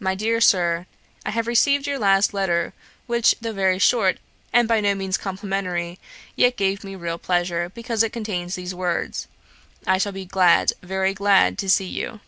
'MY DEAR SIR, 'I have received your last letter, which, though very short, and by no means complimentary, yet gave me real pleasure, because it contains these words, "I shall be glad, very glad to see you."